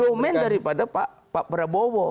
domain daripada pak prabowo